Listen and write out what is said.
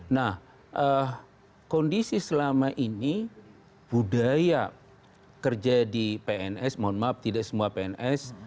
nah kondisi selama ini budaya kerja di pns mohon maaf tidak semua pns